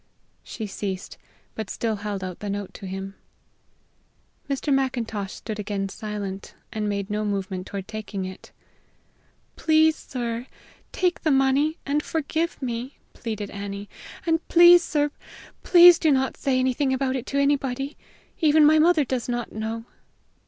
She ceased, but still held out the note to him. Mr. Macintosh stood again silent, and made no movement toward taking it. "Please, sir, take the money, and forgive me," pleaded Annie. "And please, sir, please do not say anything about it to anybody. Even my mother does not know."